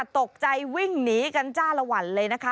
ตกใจวิ่งหนีกันจ้าลวัลเลย